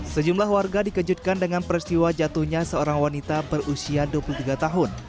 sejumlah warga dikejutkan dengan peristiwa jatuhnya seorang wanita berusia dua puluh tiga tahun